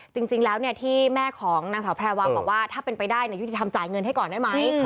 จริงแล้วที่แม่ของนางสาวแพรวาบอกว่าถ้าเป็นไปได้ยุติธรรมจ่ายเงินให้ก่อนได้ไหม